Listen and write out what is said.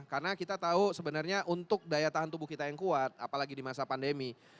karena kita tahu sebenarnya untuk daya tahan tubuh kita yang kuat apalagi di masa pandemi